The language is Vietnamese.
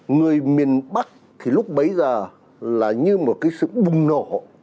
người miền bắc thì lúc bấy giờ là như một cái sự bùng nổ